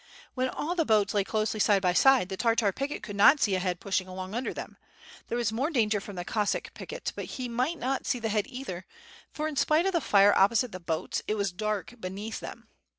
When all the boats lay closely side by side, the Tartar picket could not see a head pushing along under them. There was more danger from the Cossack picket, but he might not see the head either, for in spite of the fire opposite the boats, it was dark beneath them.